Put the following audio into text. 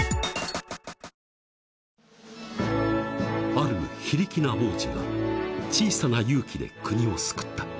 ［ある非力な王子が小さな勇気で国を救った］